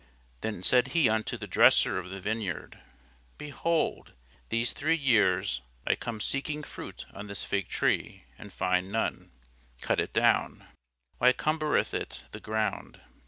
Then said he unto the dresser of his vineyard, Behold, these three years I come seeking fruit on this fig tree, and find none: cut it down; why cumbereth it the ground?